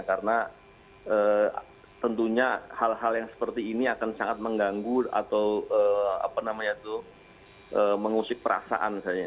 karena tentunya hal hal yang seperti ini akan sangat mengganggu atau mengusik perasaan saya